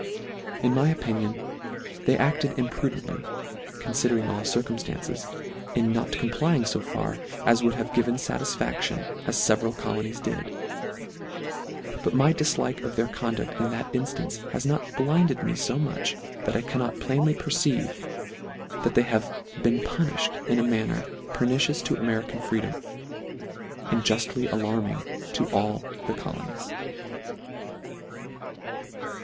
In my opinion they acted imprudently, considering all circumstances, in not complying fo far, as would have given Satisfaction, as leveral colonies did : but my diilike of their conduct in that inltance, has not blinded me fo much, that I cannot plainly perceive, that they have been puniShed in a manner pernicious to American freedom, and juStly alarming to all the colonies.